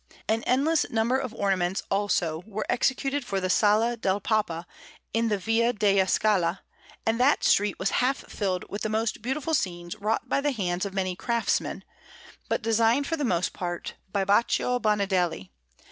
An endless number of ornaments, also, were executed for the Sala del Papa in the Via della Scala, and that street was half filled with most beautiful scenes wrought by the hands of many craftsmen, but designed for the most part by Baccio Bandinelli.